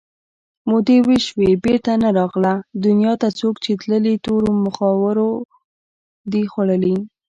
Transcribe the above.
مودې وشوې بېرته نه راغله دنیا ته څوک چې تللي تورو مخاورو دي خوړلي